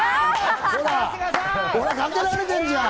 ほら、かけられてんじゃん！